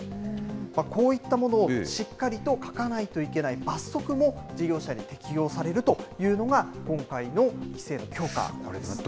こういったものをしっかりと書かないといけない罰則も事業者に適用されるというのが、今回の規制の強化なんです。